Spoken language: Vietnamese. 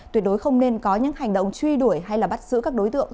tuyệt đối không nên có những hành động truy đuổi hay bắt giữ các đối tượng